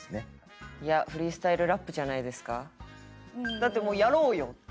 だってもう「やろうよ」。